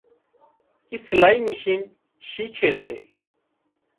اِي سلائي مِشين شيکي سي